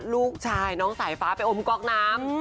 ลูกชายน้องสายฟ้าไปอมก๊อกน้ำ